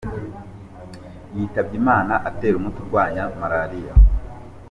Yitabye Imana atera umuti urwanya malariya